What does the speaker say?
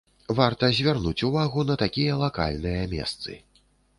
Варта звярнуць увагу на такія лакальныя месцы.